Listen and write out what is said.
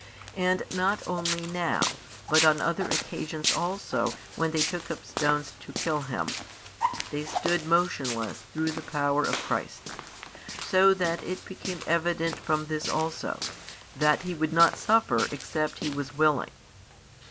And not only now, but on other occasions also when they took up stones to kill Him, they stood motionless through the power of Christ; so that it became evident from this also, that He would not suffer except He was willing.